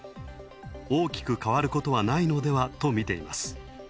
大きく変わることはないのではと見ています。